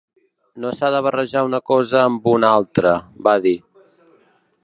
No s’ha de barrejar una cosa amb una altra, va dir.